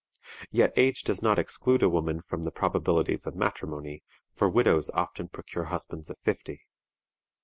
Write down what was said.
Yet age does not exclude a woman from the probabilities of matrimony, for widows often procure husbands at fifty.